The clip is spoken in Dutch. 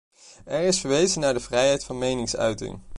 Er is verwezen naar de vrijheid van meningsuiting.